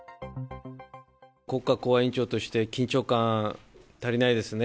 国家公安委員長として、緊張感、足りないですね。